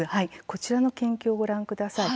こちらの研究をご覧ください。